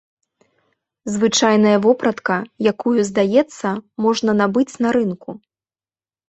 Звычайная вопратка, якую, здаецца, можна набыць на рынку.